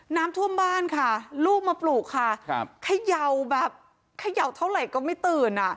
น้ำท่วมบ้านค่ะลูกมาปลูกค่ะครับเขย่าแบบเขย่าเท่าไหร่ก็ไม่ตื่นอ่ะ